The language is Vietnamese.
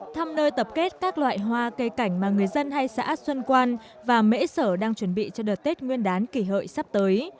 thăm nơi tập kết các loại hoa cây cảnh mà người dân hay xã xuân quan và mễ sở đang chuẩn bị cho đợt tết nguyên đán kỷ hợi sắp tới